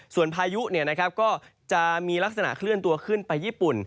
ส่วนพายุก็จะมีลักษณะเคลื่อนตัวขึ้นไปญี่ปุ่น